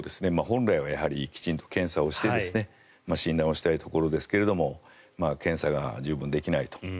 本来はきちんと検査をして診断をしたいところですが検査が十分できないと。